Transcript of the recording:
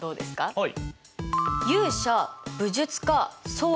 はい。